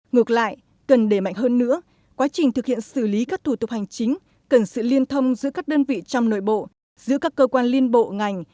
ngược lại cần đề mạnh hơn nữa quá trình thực hiện xử lý các thủ tục hành chính cần sự liên thông giữa các đơn vị trong nội bộ giữa các cơ quan liên bộ ngành